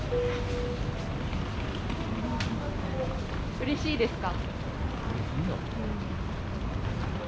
うれしいですか？